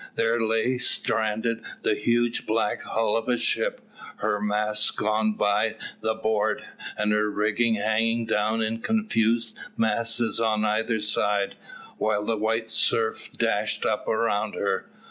There lay stranded the huge black hull of a ship, her masts gone by the board, and her rigging hanging down in confused masses on either side, while the white surf dashed up around her.